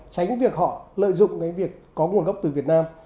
tránh việc họ lợi dụng cái việc có nguồn gốc từ việt nam